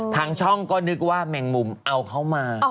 ทางช่องก็นึกว่าแมงมุมเอาเขามา